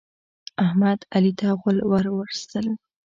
احمد، علي ته غول ور وستل.